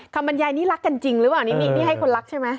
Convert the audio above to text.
บรรยายนี่รักกันจริงหรือเปล่านี่ให้คนรักใช่ไหม